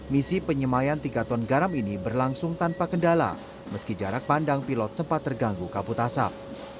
misi penyemayan tiga ton garam ini berlangsung tanpa kendala meski jarak pandang pilot sempat terganggu kabut asap